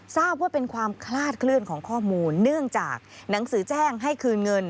ทราบว่าเป็นความคลาดเคลื่อนของข้อมูลเนื่องจากหนังสือแจ้งให้คืนเงิน